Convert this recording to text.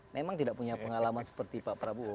memang tidak punya pengalaman seperti pak prabowo